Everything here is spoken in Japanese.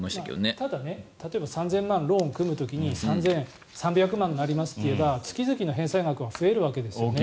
ただ、例えば３０００万円ローン組む時に３３００万円ありますとなれば月々の返済額は増えるわけですね。